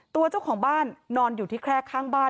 ตัวเจ้าของบ้านนอนอยู่ที่แคร่ข้างบ้าน